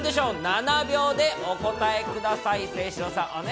７秒でお答えください。